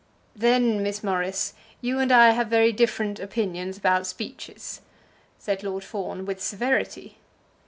"Then, Miss Morris, you and I have very different opinions about speeches," said Lord Fawn, with severity.